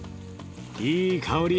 いい香り！